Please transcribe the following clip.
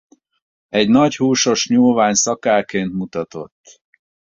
Egy nagy húsos nyúlvány szakállként mutatott.